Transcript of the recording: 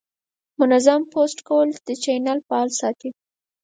منظم پوسټ کول د چینل فعال ساتي.